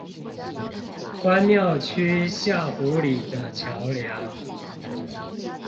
關廟區下湖里的橋梁